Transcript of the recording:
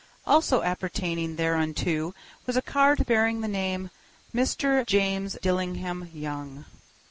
Also appertaining thereunto was a card bearing the name "Mr. James Dillingham Young."